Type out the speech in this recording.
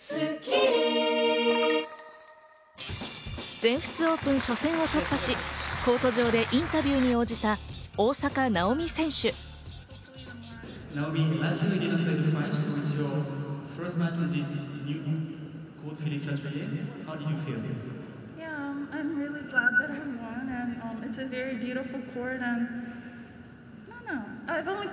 全仏オープン初戦を突破し、コート上でインタビューに応じた大坂なおみ選手。